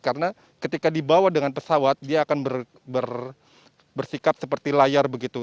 karena ketika dibawa dengan pesawat dia akan bersikap seperti layar begitu